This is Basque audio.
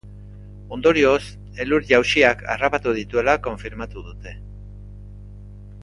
Ondorioz, elur-jausiak harrapatu dituela konfirmatu dute.